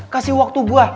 kasih waktu gue